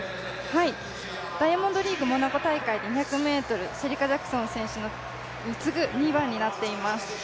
ダイヤモンドリーグモナコ大会で２００ｍ、シェリカ・ジャクソン選手に次ぐ２番になっています。